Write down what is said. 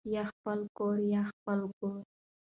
ـ يا خپل کور يا خپل ګور.